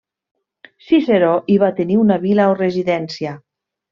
Ciceró hi va tenir una vila o residència.